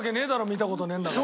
見た事ねえんだから。